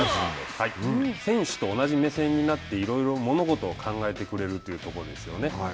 選手と同じ目線になっていろいろ物事を考えてくれるということですよね。